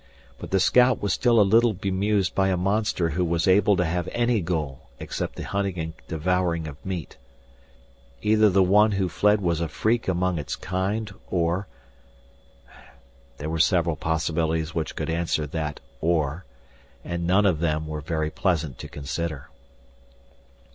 But the scout was still a little bemused by a monster who was able to have any goal except the hunting and devouring of meat. Either the one who fled was a freak among its kind or There were several possibilities which could answer that "or," and none of them were very pleasant to consider.